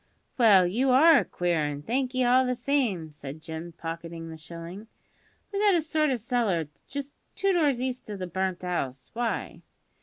"Well, you are a queer 'un; thank'ee all the same," said Jim, pocketing the shilling. "We've got a sort o' cellar just two doors east o' the burnt 'ouse. Why?"